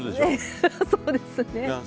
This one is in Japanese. ええそうですね。